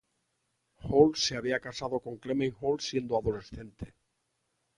Hall se había casado con Clement Hall siendo adolescente.